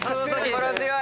心強い！